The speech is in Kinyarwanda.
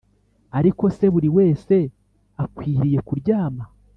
Ariko se buri wese akwiriye kuryama